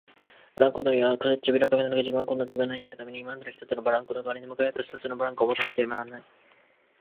ブランコ乗りは唇をかみながら、自分は今度は自分の演技のために今までの一つのブランコのかわりに向かい合った二つのブランコをもたなければならない、